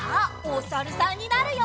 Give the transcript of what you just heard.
おさるさん。